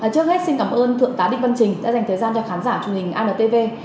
trước hết xin cảm ơn thượng tá đinh văn trình đã dành thời gian cho khán giả truyền hình antv